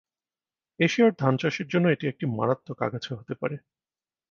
এশিয়ার ধান চাষের জন্য এটি একটি মারাত্মক আগাছা হতে পারে।